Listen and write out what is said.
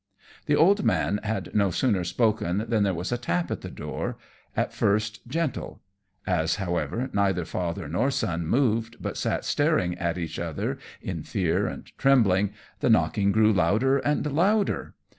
The old man had no sooner spoken than there was a tap at the door at first, gentle; as, however, neither father nor son moved, but sat staring at each other in fear and trembling, the knocking grew louder and louder.